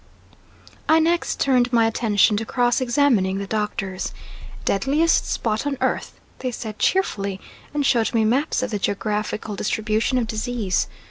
I next turned my attention to cross examining the doctors. "Deadliest spot on earth," they said cheerfully, and showed me maps of the geographical distribution of disease.